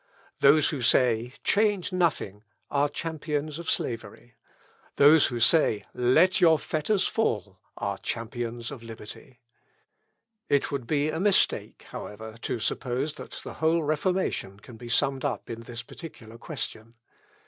Those who say "Change nothing!" are champions of slavery. Those who say "Let your fetters fall!" are champions of liberty. It would be a mistake, however, to suppose that the whole Reformation can be summed up in this particular question.